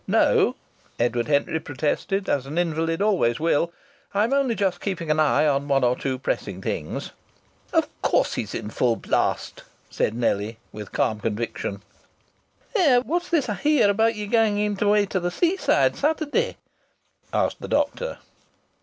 "No!" Edward Henry protested, as an invalid always will. "I'm only just keeping an eye on one or two pressing things." "Of course he's in full blast!" said Nellie with calm conviction. "What's this I hear about ye ganging away to the seaside, Saturday?" asked the doctor.